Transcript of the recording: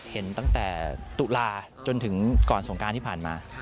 เห็นตั้งแต่ตุลาจนถึงก่อนสงการที่ผ่านมา